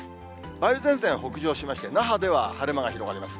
梅雨前線北上しまして、那覇では晴れ間が広がります。